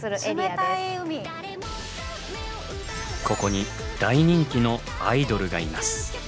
ここに大人気のアイドルがいます。